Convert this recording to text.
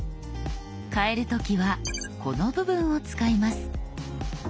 変える時はこの部分を使います。